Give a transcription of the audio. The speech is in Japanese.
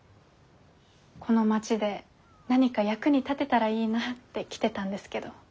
この町で何か役に立てたらいいなって来てたんですけど。